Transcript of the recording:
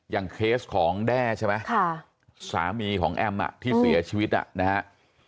เคสของแด้ใช่ไหมสามีของแอมที่เสียชีวิตนะฮะ